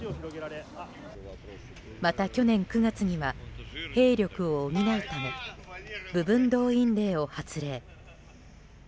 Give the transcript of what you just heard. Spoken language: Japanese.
また、去年９月には兵力を補うため部分動員令を発令。